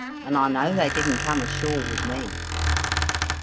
And I know they didn't come ashore with me.